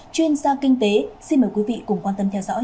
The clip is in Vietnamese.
chuyên gia kinh tế xin mời quý vị cùng quan tâm theo dõi